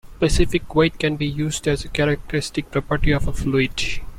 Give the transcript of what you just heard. Specific weight can be used as a characteristic property of a fluid.